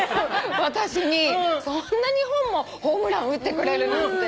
私にそんな２本もホームラン打ってくれるなんて。